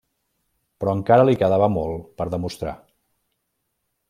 Però encara li quedava molt per demostrar.